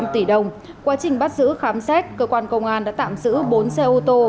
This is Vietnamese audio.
một trăm một mươi năm tỷ đồng quá trình bắt giữ khám xét cơ quan công an đã tạm giữ bốn xe ô tô